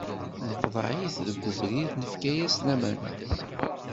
Neqḍeɛ-it deg ubrid nefka-as lamana.